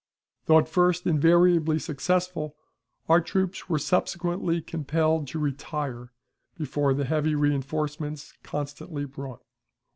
Though at first invariably successful, our troops were subsequently compelled to retire before the heavy reënforcements constantly brought.